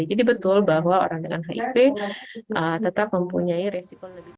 jadi betul bahwa orang dengan hiv tetap mempunyai risiko lebih tinggi